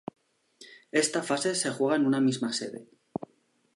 Esta fase se juega en una misma sede.